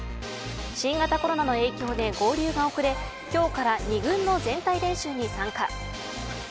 新型コロナの影響で合流が遅れ今日から２軍の全体練習に参加。